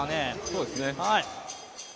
そうですね。